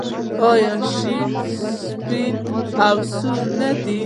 آیا شین سپین او سور نه دي؟